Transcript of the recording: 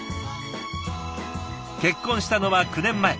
結婚したのは９年前。